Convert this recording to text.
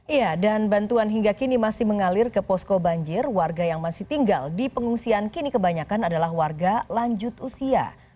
iya dan bantuan hingga kini masih mengalir ke posko banjir warga yang masih tinggal di pengungsian kini kebanyakan adalah warga lanjut usia